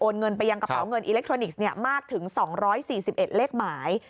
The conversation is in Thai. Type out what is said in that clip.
เงินไปยังกระเป๋าเงินอิเล็กทรอนิกส์มากถึง๒๔๑เลขหมาย